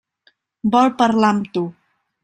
Vol parlar amb tu.